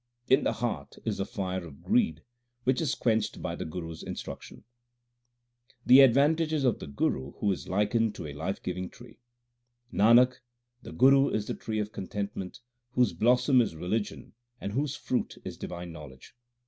In the heart is the fire of greed which is quenched by the Guru s instruction. The advantages of the Guru, who is likened to a life giving tree : Nanak, the Guru is the tree of contentment, whose blossom is religion and whose fruit is divine knowledge.